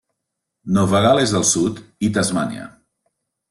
Nova Gal·les del Sud i Tasmània.